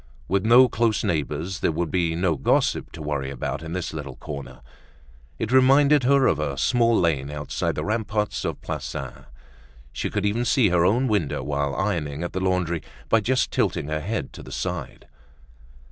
With no close neighbors there would be no gossip to worry about in this little corner. It reminded her of a small lane outside the ramparts of Plassans. She could even see her own window while ironing at the laundry by just tilting her head to the side.